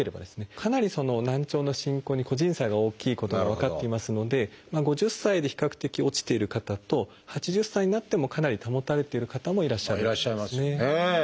かなり難聴の進行に個人差が大きいことが分かっていますので５０歳で比較的落ちている方と８０歳になってもかなり保たれている方もいらっしゃるということですね。